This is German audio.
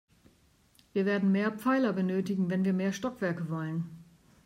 Wir werden mehr Pfeiler benötigen, wenn wir mehr Stockwerke wollen.